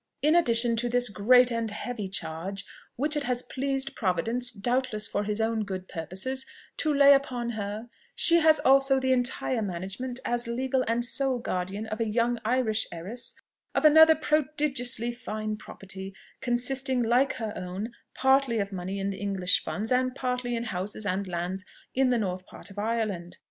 In addition to this great and heavy charge, which it has pleased Providence, doubtless for his own good purposes, to lay upon her, she has also the entire management, as legal and sole guardian of a young Irish heiress, of another prodigiously fine property, consisting, like her own, partly of money in the English funds, and partly in houses and lands in the north part of Ireland.